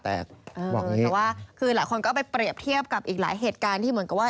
แต่ว่าหลายคนก็ไปเปรียบเทียบกับอีกหลายเหตุการณ์